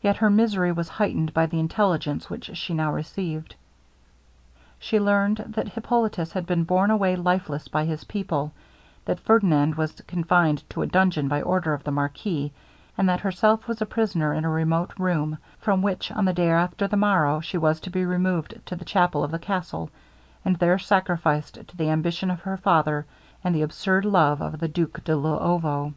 Yet her misery was heightened by the intelligence which she now received. She learned that Hippolitus had been borne away lifeless by his people, that Ferdinand was confined in a dungeon by order of the marquis, and that herself was a prisoner in a remote room, from which, on the day after the morrow, she was to be removed to the chapel of the castle, and there sacrificed to the ambition of her father, and the absurd love of the Duke de Luovo.